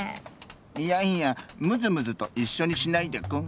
いやいやムズムズといっしょにしないでクン！